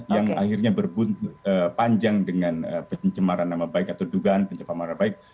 yang akhirnya berpanjang dengan pencemaran nama baik atau dugaan pencemaran nama baik